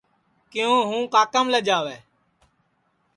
کیوں ہوں کاکام لجاوے